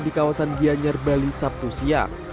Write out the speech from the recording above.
di kawasan gianyar bali sabtu siang